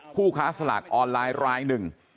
ผู้ค้าสลากออนไลน์รายหนึ่ง